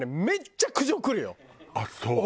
あっそう！